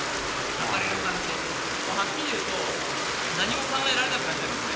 抱かれる感じはっきり言うと何も考えられなくなっちゃいますね